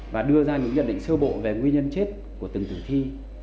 và đưa ra những nhận định sơ bộ về nguyên nhân chết của từng tử thi